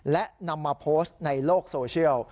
และนำมาโพสต์ในโลกโซเชียล